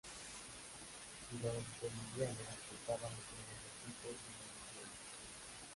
Los bolivianos estaban destruyendo equipos y municiones.